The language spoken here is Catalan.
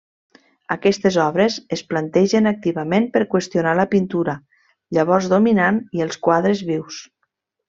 Aquestes obres es plantegen activament per qüestionar la pintura llavors dominant i els quadres vius.